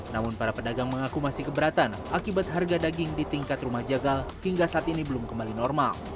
namun para pedagang mengaku masih keberatan akibat harga daging di tingkat rumah jagal hingga saat ini belum kembali normal